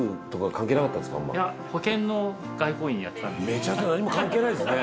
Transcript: めちゃくちゃ何も関係ないですね。